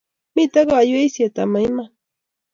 Mitei kaiyweisiet ama iman